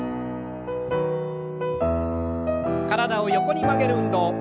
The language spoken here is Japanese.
体を横に曲げる運動。